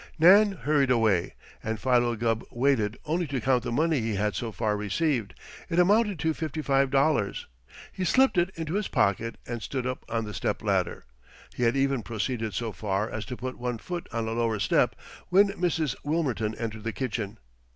Nan hurried away, and Philo Gubb waited only to count the money he had so far received. It amounted to fifty five dollars. He slipped it into his pocket and stood up on the stepladder. He had even proceeded so far as to put one foot on a lower step, when Mrs. Wilmerton entered the kitchen.